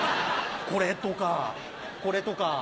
これとかこれとか。